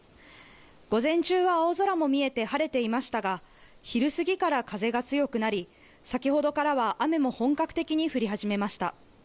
午前中は青空も見えて晴れていましたが昼過ぎから風が強くなり、先ほどからは雨も本格的に降り始めました。